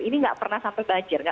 ini nggak pernah sampai banjir